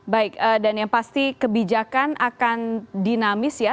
baik dan yang pasti kebijakan akan dinamis ya